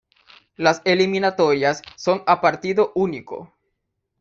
Las eliminatorias son a partido único.